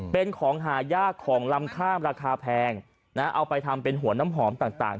เป็นของหายากของลำข้ามราคาแพงนะเอาไปทำเป็นหัวน้ำหอมต่าง